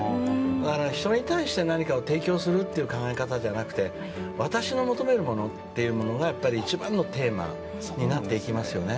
人に対して何かを提供するという考え方じゃなくて私の求めるものが一番のテーマになっていきますね。